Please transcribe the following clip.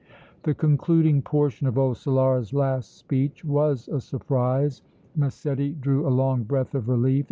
The concluding portion of old Solara's last speech was a surprise. Massetti drew a long breath of relief.